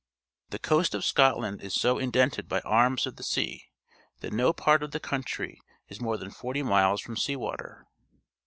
The coast of Scotland is so indented by arms of the sea that no part of the country is more than fortj[_mil es from sea wa ter.